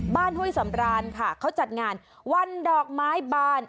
ห้วยสำรานค่ะเขาจัดงานวันดอกไม้บาน